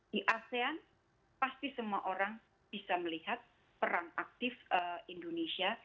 di asean pasti semua orang bisa melihat peran aktif indonesia